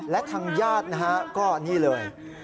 และทางญาติก็นี่เลย